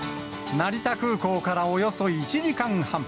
成田空港からおよそ１時間半。